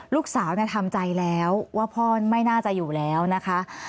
ลูกสาวทำใจแล้วว่าพ่อไม่น่าจะอยู่แล้วนะคะ